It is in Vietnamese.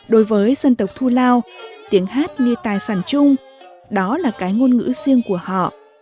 đối với dân tộc thu lao tiếng hát như tài sản chung đó là cái ngôn ngữ riêng của họ